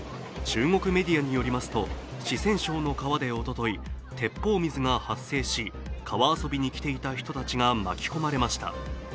中国メディアによりますと、四川省の川でおととい、鉄砲水が発生し、川遊びに来ていた人たちが巻き込まれました。